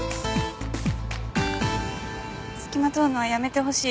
付きまとうのはやめてほしい。